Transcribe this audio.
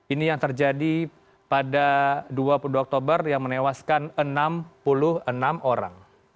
ini yang terjadi pada dua puluh dua oktober yang menewaskan enam puluh enam orang